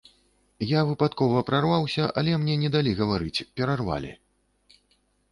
Я выпадкова прарваўся, але мне не далі гаварыць, перарвалі.